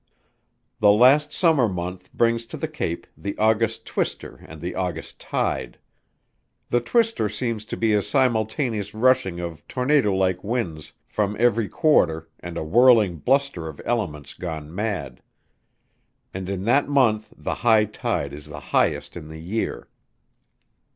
The last summer month brings to the Cape the August twister and the August tide. The twister seems to be a simultaneous rushing in of tornado like winds from every quarter and a whirling bluster of elements gone mad. And in that month the high tide is the highest in the year.